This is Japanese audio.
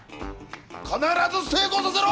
必ず成功させろ！